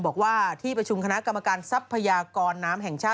บอกว่าที่ประชุมคณะกรรมการทรัพยากรน้ำแห่งชาติ